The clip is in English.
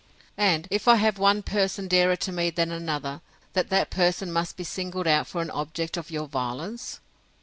And, if I have one person dearer to me than another, that that person must be singled out for an object of your violence?